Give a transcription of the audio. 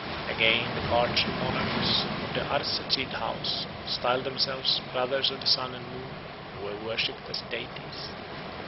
Again, the Parthian monarchs of the Arsacid house styled themselves brothers of the sun and moon and were worshipped as deities.